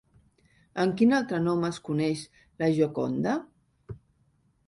Amb quin altre nom es coneix La Gioconda?